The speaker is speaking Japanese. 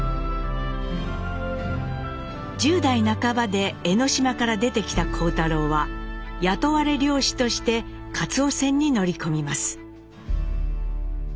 １０代半ばで江島から出てきた幸太郎は雇われ漁師としてかつお船に乗り込みます。